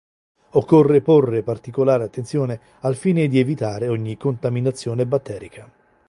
Occorre porre particolare attenzione al fine di evitare ogni contaminazione batterica.